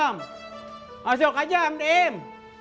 masuk aja mdm